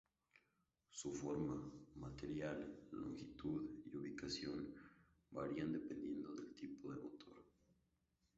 Su forma, material, longitud y ubicación varían dependiendo del tipo de motor.